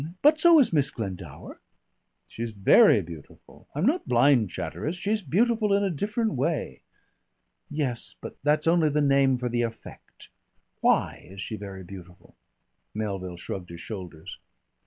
But so is Miss Glendower." "She's very beautiful. I'm not blind, Chatteris. She's beautiful in a different way." "Yes, but that's only the name for the effect. Why is she very beautiful?" Melville shrugged his shoulders.